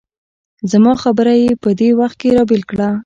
زما خبره یې په دې وخت کې را بېل کړه.